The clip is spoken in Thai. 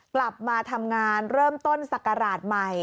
กลับมาทำงานเริ่มต้นศักราชใหม่